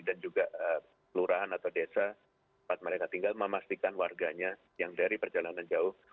dan juga lurahan atau desa tempat mereka tinggal memastikan warganya yang dari perjalanan jauh